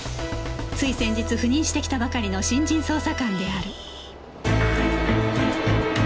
つい先日赴任してきたばかりの新人捜査官である